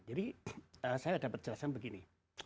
jadi saya dapat jelasin begini